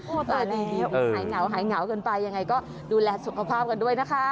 ตายแล้วหายเหงาหายเหงากันไปยังไงก็ดูแลสุขภาพกันด้วยนะคะ